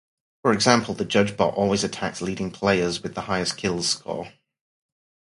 For example, the Judge bot always attacks leading players with the highest kills score.